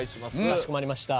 かしこまりました。